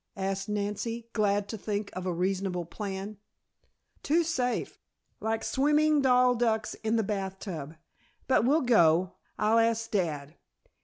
asked Nancy, glad to think of a reasonable plan. "Too safe. Like swimming doll ducks in the bath tub. But we'll go. I'll ask dad.